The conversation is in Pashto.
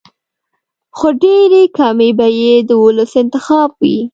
خو ډېرې کمې به یې د ولس انتخاب وي.